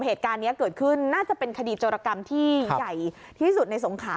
เหตุการณ์นี้เกิดขึ้นน่าจะเป็นคดีโจรกรรมที่ใหญ่ที่สุดในสงขา